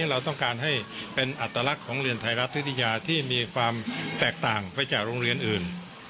เราต้องการให้เป็นอัตลักษณ์ของเรียนไทยรัฐวิทยาที่มีความแตกต่างไปจากโรงเรียนอื่น